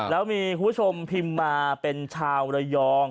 แล้วมีคุณผู้ชมพิมพ์มาเป็นชาวระยอง